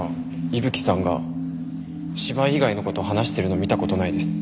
伊吹さんが芝居以外の事を話してるの見た事ないです。